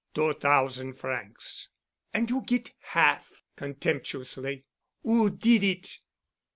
"Two thousand francs." "And you get half," contemptuously. "Who did it?"